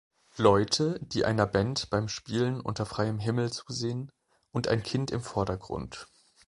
Leute, die einer Band beim Spielen unter freiem Himmel zusehen, und ein Kind im Vordergrund.